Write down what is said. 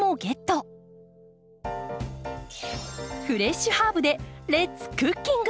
フレッシュハーブでレッツクッキング！